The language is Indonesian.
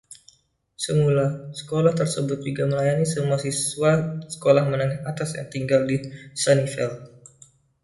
Semula, sekolah tersebut juga melayani semua siswa sekolah menengah atas yang tinggal di Sunnyvale.